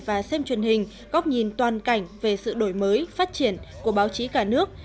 và xem truyền hình góc nhìn toàn cảnh về sự đổi mới phát triển của báo chí cả nước